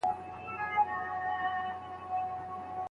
ایا موږ د اوږده اتڼ لپاره ډوډۍ راوړو؟